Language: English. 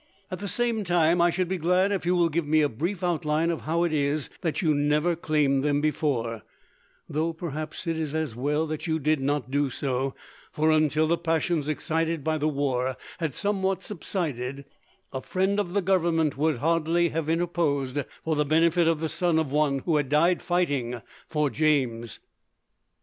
At the same time, I should be glad if you will give me a brief outline of how it is that you never claimed them before, though perhaps it is as well that you did not do so, for, until the passions excited by the war had somewhat subsided, a friend of the Government would hardly have interposed for the benefit of the son of one who had died fighting for James."